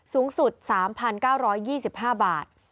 สูงสุด๓๙๒๕บาท